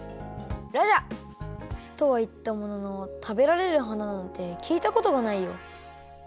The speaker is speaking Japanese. ラジャー！とはいったものの食べられる花なんてきいたことがないよ。